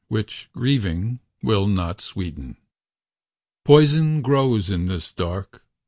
Which grieving will not sweeten. Poison grows in this dark.